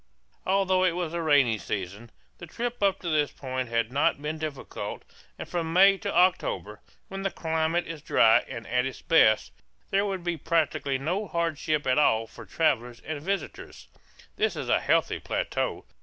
Although it was the rainy season, the trip up to this point had not been difficult, and from May to October, when the climate is dry and at its best, there would be practically no hardship at all for travellers and visitors. This is a healthy plateau.